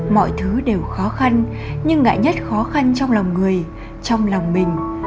mọi thứ đều khó khăn nhưng ngại nhất khó khăn trong lòng người trong lòng mình